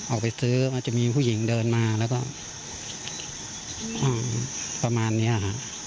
ออกไปซื้อมันจะมีผู้หญิงเดินมาแล้วก็ประมาณนี้ค่ะ